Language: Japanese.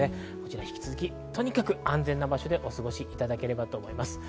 引き続き、とにかく安全な場所でお過ごしいただきたいです。